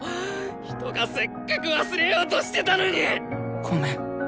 人がせっかく忘れようとしてたのに！ごめん。